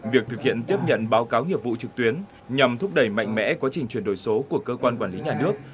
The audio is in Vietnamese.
việc thực hiện tiếp nhận báo cáo nhiệm vụ trực tuyến nhằm thúc đẩy mạnh mẽ quá trình chuyển đổi số của cơ quan quản lý nhà nước